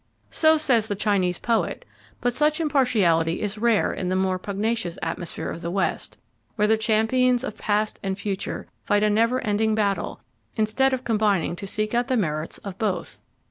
So says the Chinese poet; but such impartiality is rare in the more pugnacious atmosphere of the West, where the champions of past and future fight a never ending battle, instead of combining to seek out the merits of both.